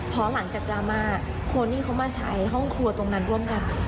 พอหลังจากดราม่าคนที่เขามาใช้ห้องครัวตรงนั้นร่วมกัน